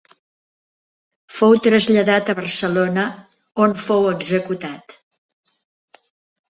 Fou traslladat a Barcelona on fou executat.